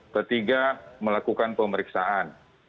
ketiga melakukan pemeriksaan